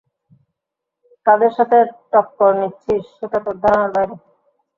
কাদের সাথে টক্কর নিচ্ছিস সেটা তোর ধারণার বাইরে।